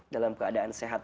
dalam keadaan sehat